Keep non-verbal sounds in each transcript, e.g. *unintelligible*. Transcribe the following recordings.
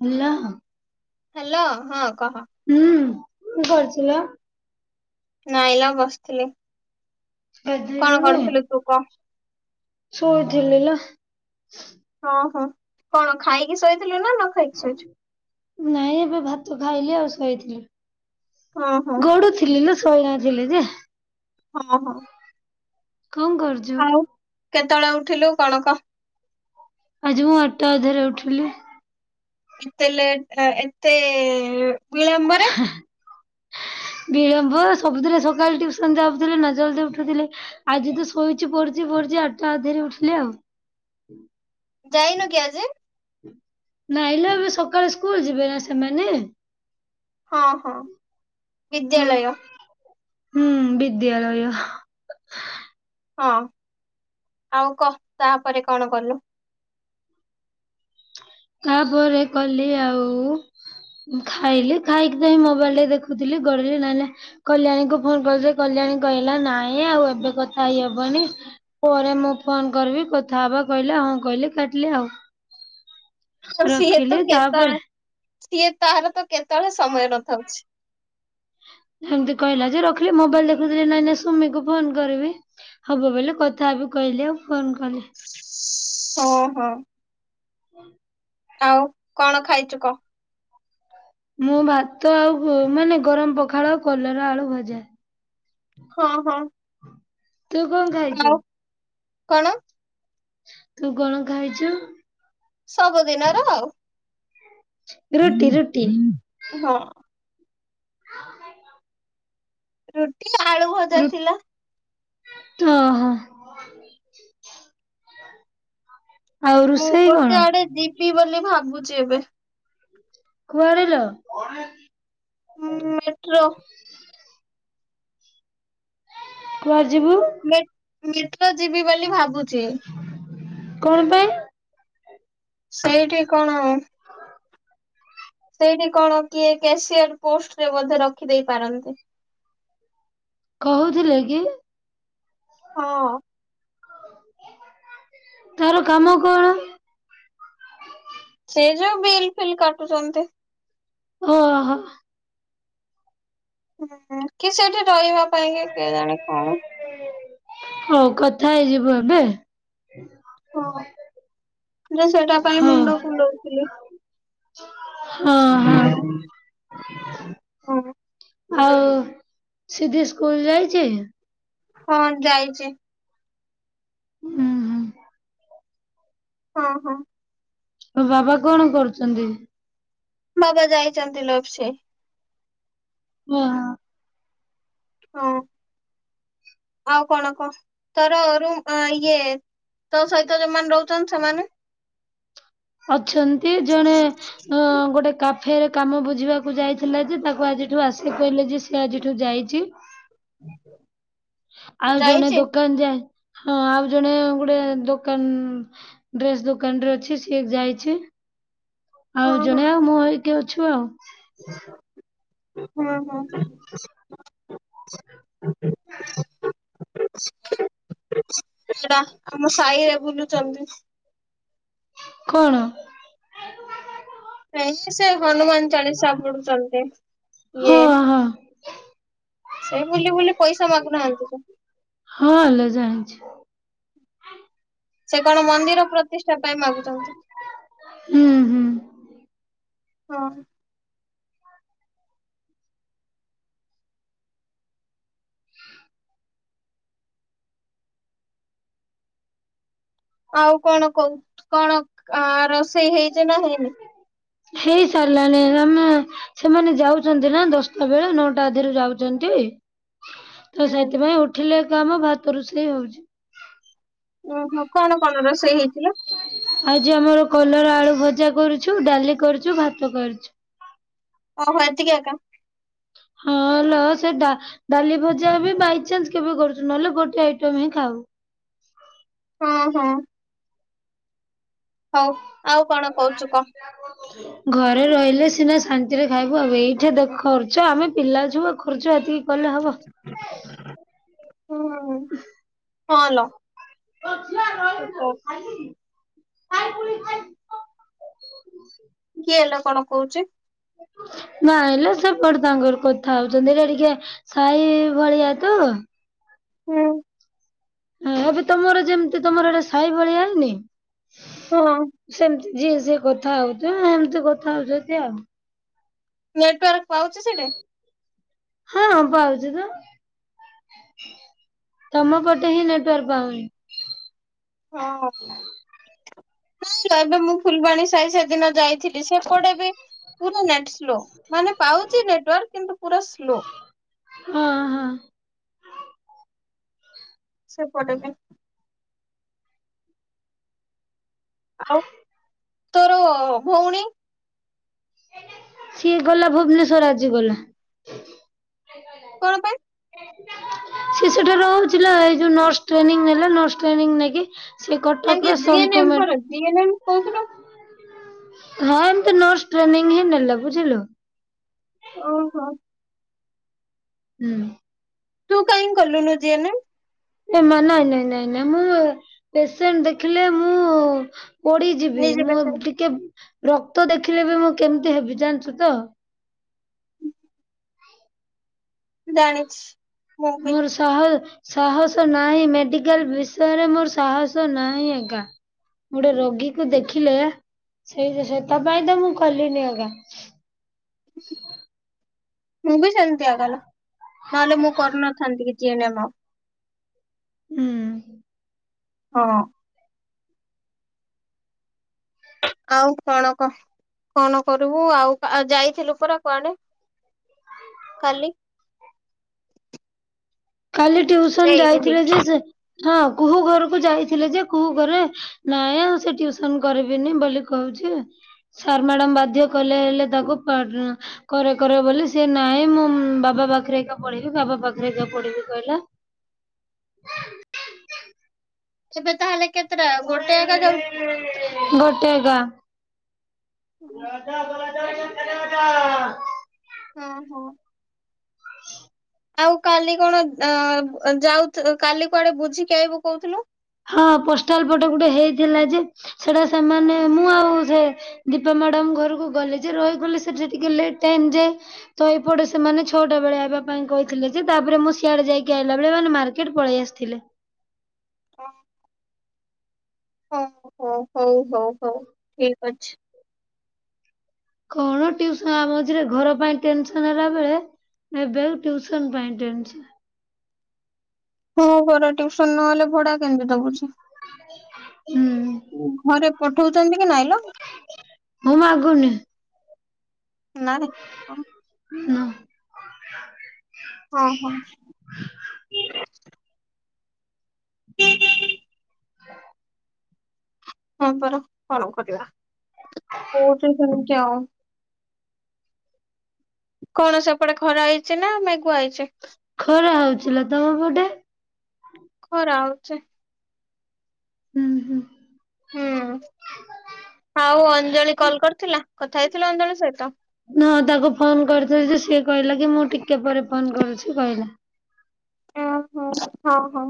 Hello hello ହଁ। କହ ଉଁ। କିଏ କରିଛିଲା? ନାଇଲୋ ବସିଥିଲି। କଣ ଗାଧେଇଲୁଣି? କରୁଥୁଲୁ ତୁ କଁ? ଶୋଇଥିଲି ଲୋ। ଅ ହଁ କଣ ଖାଇକି ଶୋଇଥି ନାଇଁ ଏବେ ଭାତ ଖାଇଲି ଆଉ ଶୋଇଥିଲି। ହଁ ହଁ ଗଡୁଥିଲି ଲୋ। ଶୋଇ ନଥିଲି ଯେ ହଁ ହଁ। କଣ କରୁଛୁ? ଆଉ କେତେବେଳେ ଉ ଉଠିଲୁ କଣ କହ? ଆଜି ମୁଁ ଆଟଟା ଅଧାରେ ଉଠିଲି। ଏତେ ଲେଟ୍ ଏ-ଏତେ ବିଳମ୍ବରେ। ବିଳମ୍ବ ସବୁଥିରେ ସକାଳୁ ଟ୍ୟୁସନ ଯାଉଥିଲି ନା ଜଲଦି ଉଠୁଥିଲି ଆଜି ତ ଶୋଇଚି ପଡିଚି ପଡିଚି ଆଟଟା ଅଧାରେ ଉଠଲି ଆଉ। ଯାଇନୁ କି ଆଜି? ନାଇଲୋ ଏବେ ସକାଳୁ ସ୍କୁଲ୍ ଯିବେନା ସେମାନେ। ହଁ ହଁ ବିଦ୍ୟାଳୟ। ହୁଁ ବିଦ୍ୟାଳୟ। ହଁ ଆଉ କଃ ତାପରେ କଣ କଲୁ? ତାପରେ କଲି ଆଉ ଖାଇଲି ଖାଇକି ତ ଏଇ ମୋବାଇଲଟା ଦେଖୁଥୁଲି ଗଡିଲି ନହଲେ କଲ୍ୟାଣୀକୁ ଫୋନ କରିଥିଲି କଲ୍ୟାଣୀ କହିଲା ନାଇଁ ଆଉ ଏବେ କଥା ହେଇହବନି ପରେ ମୁଁ ଫୋନ କରିବି କଥା ହବା କହିଲା ହଁ କହିଲି କାଟିଲି ଆଉ। ହଁ ସିଏତ ରଖିଲି ତାପରେ କେତଳେ ସିଏ ତାର ତ କେତଳେ ସମୟ ନଥାଉଛି। ଏମତି କହିଲା ଯେ ରଖିଲି ମୋବାଇଲ ଦେଖୁଥିଲି ନାଇଁ ନାଇଁ ସୁମିକୁ ଫୋନ କରିବି ହବ ବୋଲି କଥା ହେବି କହିଲି ଆଉ ଫୋନ କଲି। ହଁ ହଁ। ଆଉ କଣ ଖାଇଚୁ କ? ମୁଁ ଭାତ ଆଉ ପୁ-ମାନେ ଗରମ ପଖାଳ ଆଉ କଲରା ଆଳୁ ଭଜା। ହଁ ହଁ। ତୁ କଣ ଖାଇଛୁ? ଆଉ କଣ? ତୁ କଣ ଖାଇଛୁ? ସବୁଦିନର ଆଉ। ରୁଟି ରୁଟି। ହଁ *inaudible* ରୁ ଟି ଆଳୁ ଭଜା ରୁ ଥିଲା। ଓହୋ। ଆଉ ରୋଷେଇ କଣ? ବି ବୋଲି ଭାବୁଛି ଏବେ। କୁଆଡ଼େ ଲୋ? ମୁଁ ମେଟ୍ରୋ। କୁଆଡ଼େ ଯିବୁ? ଏମିତି ତ ଯିବି ବୋଲି ଭାବୁ ଚି। କଣ ପାଇଁ? ସେଇଠି କଣ? ସେଇଠି କଣ କିଏ କ୍ୟାସିୟର ପୋଷ୍ଟରେ ବୋଧେ ରଖିଦେଇ ପାରନ୍ତି। କହୁଥିଲେ କି? ହଁ। ତାର କାମ କଣ? ସେ ଯୋଉ ବିଲ୍ ଫିଲ୍ କା ଟୁଚନ୍ତି। ଓହ। ହୁଁ କି ସେଇଟା ରହିବା ପାଇଁ କି କେଜାଣି କଣ? ହଉ କଥା ହେଇଯିବୁ ଏବେ ହଁ ସେଟା ପାଇଁ ହଉ ମୁଣ୍ଡ କୁଣ୍ଡଉଥିଲି। ହଁ ହଁ। ହଁ। ଆଉ ସିଦ୍ଧି ସ୍କୁଲ ଯାଇଚି? ହଁ ଯାଇଚି। ହୁଁ-ହୁଁ। ହଁ ହଁ। ଅ ବାବା କଣ କରୁଚନ୍ତି? ବାବା ଯାଇଚନ୍ତି ଲୋପସେ। ଓ ହଁ। ହଁ ଆଉ କଣ କହ ତର ର ଇଏ ତୋ ସହିତ ଯୋଉମାନେ ରହୁଛନ୍ତି ସେମାନେ। ଅଛନ୍ତି ଜଣେ ଅ ଗୋଟେ। ଫେର କାମ ବୁଝିବାକୁ ଯାଇଥିଲା ଯେ ତାକୁ ଆଜିଠୁ ଆସିିକି କହିଲେ ଯେ ସେ ଆଜିଠୁ ଯାଇଛି। *inaudible* ଆଉ ଜଣେ ଯାଇଛି? ଦୋକାନ ଯାଏ। ହଁ ଆଉ ଜଣେ ଗୋଟେ ଦୋକାନ ଡ୍ରେସ୍ ଦୋକାନ ରେ ଅଛି ସିଏ ଯାଇଛି। ହଁ ଆଉ ହଁ। ଜଣେ ଆଉ ମୁଁ ଏଇଠି ଅଛୁ ଆଉ। ହଁ ହଁ। ସେଟା ଆମ ସାହିରେ ବୁଲୁଛନ୍ତି। କଣ? ନାଇ ସେ ହନୁମାନ ଚାଳିଶା ପଢୁଛନ୍ତି। ହଁ ଇଏ ହଁ। ସେ ବୁଲି ବୁଲି ପଇସା ମାଗୁନାହାନ୍ତି ତ। ହଁ ଲୋ ଜାଣିଛି। ସେ କଣ ମନ୍ଦିର ପ୍ରତିଷ୍ଠା ପାଇଁ ମାଗୁଛନ୍ତି। ହୁଁ ହୁଁ। ହଁ। ଆଉ କଣ କହୁ କଣ ଆ ରୋଷେଇ ହେଇଛି ନା ହେଇନି। ହେଇସାରିଲାଣି ଲୋ ମା ସେମାନେ ଯାଉଛନ୍ତି ନା ଦଶଟା ବେଳେ ନଅଟା ଅଧେରୁ ଯାଉଛନ୍ତି। ତ ହୁଁ ସେଥିପାଇଁ ଉଠିଲେ। ଗରମ ଭାତ ରୋଷେଇ ହଉଛି । ଓହୋ। କଣ କଣ ରୋଷେଇ ହେଇଥିଲା। ଆଜି ଆମର କଲରା ଆଳୁ ଭଜା କରୁଛୁ ଡାଲି କରୁଛୁ ଭାତ କରୁଛୁ। ହୋଉ ଏତିକି ଏକା। ହଁ ଲୋ ସେ ଡାଲି ଭଜା ବି ବାଇଚାନ୍ସ କେବେ କରୁଛୁ ନହେଲେ ଗୋଟେ ଆଇଟମ ହିଁ ଖାଉ। ହଁ ହଁ। ହଉ ଆଉ କଣ କହୁଛୁ କହ? ଘରେ ରହିଲେ ସିନା । ଶାନ୍ତିରେ ଖାଇବୁ ଆଉ ଏଇଠି ଦେଖୋଉଛ ଆମେ ପିଲା ଛୁଆ ଆଉ ଖର୍ଚ୍ଚ ଏତିକି। କଲେ ହବ। ହଁଲୋ। ହଁ। *inaudible* *inaudible* କିଏ ଲୋ କଣ କହୁଛି। ନାଇ ଲୋ ସେପଟେ ତାଙ୍କର କଥା ହଉଛନ୍ତି ଟିକେ ସାଇ ଭଳିଆ ତ। ହୁଁଉ। ମୁଁ ବି ତମର ଯେମତି ତମର। ସାଇ ଭାଲିଆ ହୋଇନି ହଁ। ସେମ୍। ସିଏ ସିଏ କଥା ହଉଚ ଏମିତି କଥା ହଉଛନ୍ତି ଆଉ। ନେଟୱାର୍କ ପାଉଛି ସେଠି। ହଁ ପାଉଛି ତ ତମ ପଟେ ହିଁ ନେଟୱାର୍କ ପାଉନି। ହଁ। ନାଇଁ ବା ଏବେ ମୁଁ ଫୁଲବାଣୀ ସାହି ସେଦିନ ଯାଇଥିଲି ସେପଟେ ବି ପୁରା ନେଟ୍ ସ୍ ଲୋ ମାନେ ପାଉଚି ନେଟୱ। ର୍କ କିନ୍ତୁ ପୁରା ସ୍ଲୋ । ହଁ ହଁ । ସେପଟେବି ଆଉ ତୋର ଭଉଣୀ ସିଏ ଗଲା ଭୁବନେଶ୍ଵର ଆଜି ଗଲା। କଣ ପାଇଁ *inaudible* ସେ ସେଠାରେ ରଉଥିଲା ଏଇ ଯୋଉ ନର୍ସ ଟ୍ରେନିଙ୍ଗ୍ ନେଲା ନର୍ସ ଟ୍ରେନିଙ୍ଗ୍ ନେଇକି ସେ ତାଙ୍କେ କଟକର ଜି ସମ୍ ଏନ୍‌ ଟୁ ଏମ୍ ମେ ପରେ ଜି ଏନ୍‌ ଏମ୍ କହୁଥିଲ। ହଁ ଏମିତି ନର୍ସ ଟ୍ରେନିଂ ହି ନଲେ ବୁଝିଲୁ। ଓ ହୋ। ହୁଁ। ତୁ କହିଁ କଲୁନୁ ଜି ଏନ୍ ଏମ୍‌? ଏମା ନାଇଁ ନାଇଁ ନାଇଁ ନାଇଁ ମୁଁ ପେସେଣ୍ଟ ଦେଖିଲେ ମୁଁ ପଡ଼ି ଯିବି ନିଜେ ମୁଁ ପେସେଣ୍ଟ। ଟିକେ ରକ୍ତ ଦେଖିଲେ ବି ମୁଁ କେମିତି ହେବି ଜାଣିଛୁ ତ। ଜାଣିଛି। ମୁଁ ବି ମୋର ସାହସ ସାହସ ନାହିଁ ମେଡିକାଲ ବିଷୟରେ ମୋର ସାହସ ନାହିଁ ଏକା ଗୋଟେ ରୋଗୀ କୁ ଦେଖିଲେ ସେଇଯେ ସେତା ପାଇଁ ତ ମୁଁ କଲିନି ଏକା । ମୁଁ ବି ସେମିତି ଏକା ଲୋ । ନହେଲେ ମୁଁ କରିନଥାନ୍ତି କି? G N M. ହୁଁ। ହଁ। ଆଉ କଣ କ କଣ କରିବୁ ଆଉ ଆ ଯାଇଥିଲୁ ପରା କୁଆଡ଼େ? କାଲି । କାଲି ଏ ଟ୍ୱିସନ୍‌ ଇଭିନିଂ। ଯାଇଥିଲେ ଯେ ସେ ହଁ କୁହୁ ଘରକୁ ଯାଇଥିଲେ ଯେ କୁହୁ ଘରେ ନାଇଁ ଆଉ ସେ ଟିଉସନ୍ କରିବିନି ବୋଲି କହୁଛି ସାର୍ ମ୍ୟାଡାମ ବାଧ୍ୟ କଲେ ହେଲେ ତାକୁ କରେ କରେ କରେ ବୋଲି ସେ ନାଇଁ ମୁଁ ବାବା ପାଖରେ ଏକା ପଢିବି ବାବା ପାଖରେ ଏକା ପଢିବି କଇଲା। *inaudible* ଏବେ ତାହଲେ କେତେଟା ଗୋଟେ ଏକା ଯାଉଛି। ଗୋଟେ ଗା ରାଜା *unintelligible* ଟ ହୁଁ ହୁଁ । ଆଉ କାଲି କଣ ଅ-ଅ-ଅ-ଅ ଯାଉ ଥି କାଲି କୁଆଡ଼େ ବୁଝିକି ଆଇବୁ କହୁଥିଲୁ? ହଁ ପୋଷ୍ଟାଲ ପଟେ ଗୋଟେ ହେଇଥିଲା ଯେ ସେଟା ସେମାନେ ମୁଁ ଆଉ ସେ ଦୀପା ମଡ଼ାମ୍ ଘରକୁ ଗଲି ଯେ ରହିଗଲି ସେଠି ଟିକେ ଲେଟ୍‌ ଟାଇମ୍ ଯେ ତ ଏପଟେ ସେମାନେ ଛଅଟା ବେଳେ ଆଇବା ପାଇଁ କହିଥିଲେ ଯେ ତାପରେ ମୁଁ ସିଆଡ଼େ ଯାଇକି ଆଇଲାବେଳେ ମାନେ ମାର୍କେଟ୍ ପଳେଇ ଆସିଥିଲେ। ହ ହୋ ହଉ ହଉ ହଉ ଠିକ୍ ଅଛି। କଣ ଟ୍ୟୁସ ଆ ମଝିରେ ଘର ପାଇଁ ଟେନସନ୍ ହେଲା ବେଳେ ଏବେ ଆଉ ଟ୍ୟୁସନ୍ ପାଇଁ ଟେନ୍ସ। ହଁ ଘରେ ଟ୍ୟୁଉସନ୍ ନହେଲେ ଭଡା କେମିତି ଦବୁଚି। ହୁଁ ଘରେ ପଠଉଚନ୍ତି ମୁଁ ମାଗୁନି। ନାରେ ଆ *unintelligible* ହଁ ହଁ। ହ *unintelligible* ହ *unintelligible* ହଁ ପରା କଣ କରିବା? ହଉଚି ସେ କ୍ୟାଉଁ କଣ ସେପଟେ ଖରା ହେଇଚି ନା ମେଗୁଆ ହେଇଚି? ଖରା ହଉଥିଲା ତମ ପଟେ ଖରା ହଉଚି। ହୁଁ ହୁଁ। ହୁଁଉଁ ଆଉ ଅଞ୍ଜଳି କଲ୍ କରିଥିଲା? କଥା ହେଇଥିଲ ଅଞ୍ଜଳି ସହିତ। ନ ତାକୁ ଫୋନ୍ କରିଥିଲି ଯେ ସିଏ କଇଲା କି ମୁଁ ଟିକେ ପରେ ଫୋନ୍ କରୁଛି କହିଲା। ହଁ ହଁ ହଁ।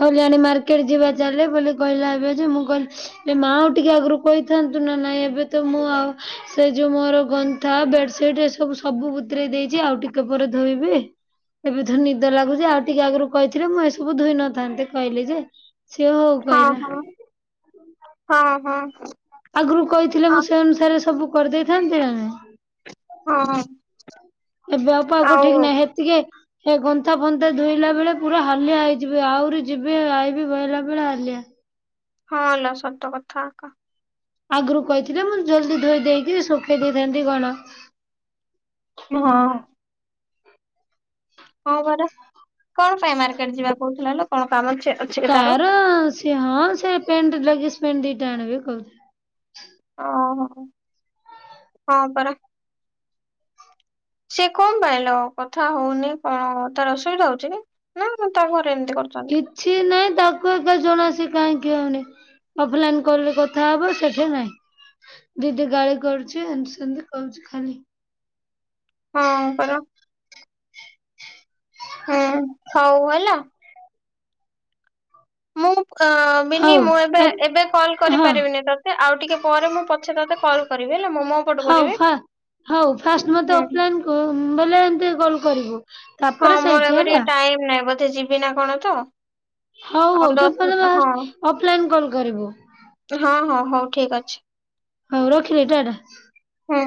ଖଲ୍ୟାଣୀ ମାର୍କେଟ ଯିବା ଚାଲେ ବୋଲି କହିଲା ଏବେ ଯେ ମୁଁ କହିଲ୍ ମା ଆଉ ଟିକେ ଆଗରୁ କହିଥାନ୍ତୁ ନା। ନାଇଁ ଏବେ ତ ମୁଁ ଆଉ ସେ ଯୋଉ ମୋର ଗନ୍ଥା ବେଡସିଟ୍ ଏସବୁ ସବୁ ବୁତରେଇ ଦେଇଚି ଆଉ ଟିକେ ପରେ ଧୋଇବି। ଏବେ ଥ ନିଦ ଲାଗୁଚି ଆଉ ଟିକେ ଆଗରୁ କଇଥିଲେ ମୁଁ ସବୁ ଧୁଇ ନଥାନ୍ତି କଇଲି ଯେ। ସିଏ ହଉ କଇଲା। ହଁ ହଁ ହଁ। ଆଗୁରୁ କଇଥିଲେ ମୁଁ ସେ ଅନୁସାରେ ସବୁ କରିଦେଇଥାନ୍ତି ନା ନାଇଁ। ହଁ ଏବେ ଆଉ ପାଗ ଠିକ୍ ନାହିଁ ହେତିକେ ହେ ଗନ୍ତା ଫନ୍ତା ଧୋଇଲା ବେଳେ ପୁରା ହାଲିଆ ହେଇଯିବି ଆଉରି ଯିବି ଆଇବି ବଇଲା ବେଳେ ହାଲିଆ। ହଁ ଲ ସତ କଥା ଆକା। ଆଗୁରୁ କଇଥିଲେ ମୁଁ ଜଲଦି ଧୋଇ ଦେଇକି ଶୁଖେଇ ଦେଇଥାନ୍ତି କଣ। ହଁ। ହଁ ପରା କଣ ପାଇଁ ମାର୍କେଟ ଯିବା କହୁଥିଲା ଲୋ କଣ କାମ ଅ ତାରଅ ସିଏ ହଁ ସେ ପେଣ୍ଟ ଲା କିସପେଣ୍ଡିଟା ଆଣବି କହୁଥାଏ। ଓ ହୋ ହଁ ପରା। ସିଏ କଅଁ ପାଇଲୋ କଥା ହଉନି କଣ ତାର ଅସୁବିଧା ହଉଚି କି ନା ନା ତା ଘର କିଛି ନାଇଁ ତାକୁ ଏକା ଜଣା ସିଏ କାହିଁକି କି ହଉନି ଅଫଲାଇନ୍ କଲ୍ ରେ କଥା ହବ ସେଠି ନାଇଁ ଦିଦି ଗାଳି କରୁଚି ଏନ୍ତି ସେନ୍ତି କହୁଚି ଖାଲି। ହଁ ପରା ହୁଁ ହଉ ହେଲା। ମୁଁ ଅ ବିନି ହଉ ମୁଁ ଏବେ ଏବ ଏବେ କଲ୍ ହଁ କରିପାରିବିନି ତୋତେ ଆଉ ଟିକେ ପରେ ମୁଁ ପଛେ ତୋତେ କଲ୍ କରିବେ। ହଉ ଫାଷ୍ଟ ହଉ ଫାଷ୍ଟ ମତେ ହୁଁ। ଅଫଲାଇନ୍ *unintelligible* କଲ୍ କରିବୁ। ହଁ ତାପରେ ମୋର ସେଇଠି ଏବେ ହେଲା। ଟିକେ ଟାଇମ ନହିଁ ବ ସେ ଯିବି ନା କଣ ତ। ହଉ ଆଉ ହଉ ତୁ ଦଶ ହଁ *unintelligible* ଅଫଲାଇନ କଲ କରିବୁ। ହଁ ହଁ ହଉ ଠିକ୍ ଅଛି। ହଉ ରଖିଲି ଟା ଟା। ହଁ।